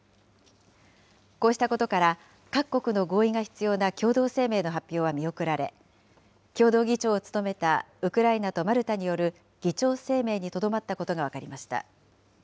こうしたことから、各国の合意が必要な共同声明の発表は見送られ、共同議長を務めたウクライナとマルタによる議長声明にとどまったことが分かりました。